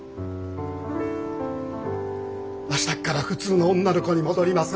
明日から普通の女の子に戻ります。